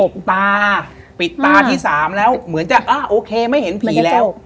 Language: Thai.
ตาปิดตาที่สามแล้วเหมือนจะอ่าโอเคไม่เห็นผีแล้ว